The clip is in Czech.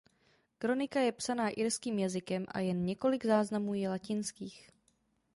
Kronika je psaná irským jazykem a jen několik záznamů je latinských.